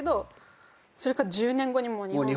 それが１０年後にもう日本で。